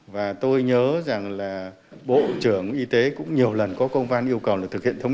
về nâng cao chất lượng hoạt động của y tế cơ sở